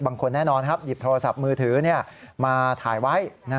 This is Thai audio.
บางคนแน่นอนหยิบโทรศัพท์มือถือมาถ่ายไว้